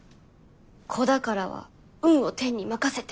「子宝は運を天に任せて。